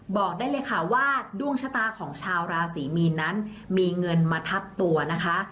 บอกได้เลยค่ะว่าดวงชะตาของชาวราศรีมีนนั้นมีเงินมาทับตัวนะคะ